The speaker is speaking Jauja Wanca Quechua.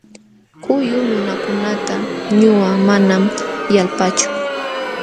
Huyu nunakunata ñuqaqa manam yalpaachu.